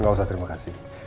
gak usah terima kasih